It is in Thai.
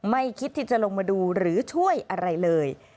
ไม่คิดที่จะลงมาดูหรือช่วยอะไรเลย